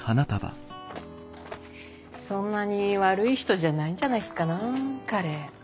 そんなに悪い人じゃないんじゃないかなあ彼。